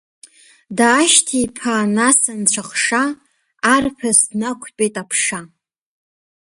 Даашьҭиԥаан нас Анцәахша, арԥыс днақәтәеит аԥша.